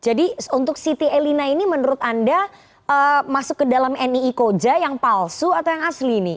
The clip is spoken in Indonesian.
jadi untuk siti elina ini menurut anda masuk ke dalam nii koja yang palsu atau yang asli ini